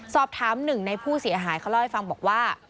สอบถามหนึ่งในผู้เสียหายเขาเล่าให้ฟังบอกว่า